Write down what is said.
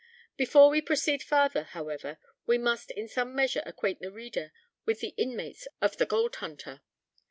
Before we proceed farther, however, we must in some measure acquaint the reader with the inmates of the Gold Hunter.